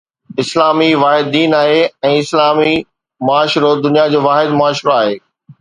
اسلام ئي واحد دين آهي ۽ اسلامي معاشرو دنيا جو واحد معاشرو آهي